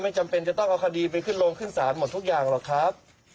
จำเป็นจะต้องเอาคดีไปขึ้นโรงขึ้นศาลหมดทุกอย่างหรอกครับ